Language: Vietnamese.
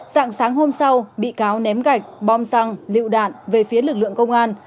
dạng sáng hôm sau bị cáo ném gạch bom xăng lựu đạn về phía lực lượng công an